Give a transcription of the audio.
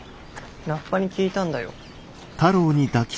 ラッパに聞いたんだよ。